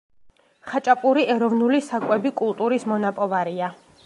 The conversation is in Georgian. ხაჭაპური ეროვნული საკვები კულტურის მონაპოვარია.